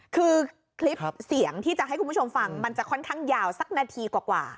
คือคลิปเสียงที่จะให้คุณผู้ชมฟังมันจะค่อนข้างยาวสักนาทีกว่า